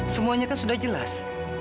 semuanya kan sudah jelas